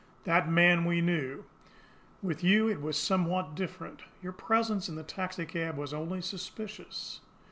That man we knew. With you it was somewhat different. Your presence in the taxicab was only suspicious.